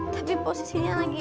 tapi posisinya lagi enak